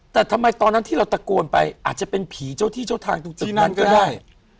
แต่ทำไมตอนนั้นที่เราตะโกนไปอาจจะเป็นผีเจ้าที่เจ้าทางตรงจุดนั้นก็ได้